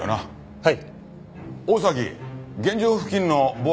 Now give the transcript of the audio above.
はい？